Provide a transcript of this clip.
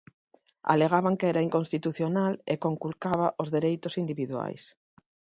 Alegaban que era inconstitucional e conculcaba os dereitos individuais.